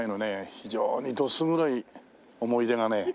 非常にドス黒い思い出がね。